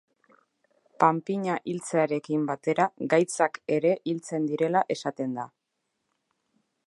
Panpina hiltzearekin batera gaitzak ere hiltzen direla esaten da.